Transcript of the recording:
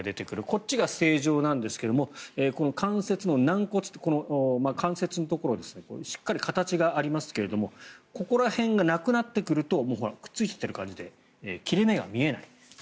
こっちが正常なんですが関節の軟骨関節のところしっかり形がありますけれどここら辺がなくなってくるとくっついちゃっている感じで切れ目が見えない。